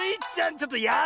ちょっとやるな！